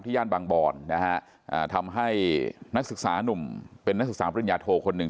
ย่านบางบอนนะฮะทำให้นักศึกษานุ่มเป็นนักศึกษาปริญญาโทคนหนึ่ง